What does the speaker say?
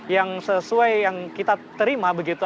yang sesuai yang kita terima begitu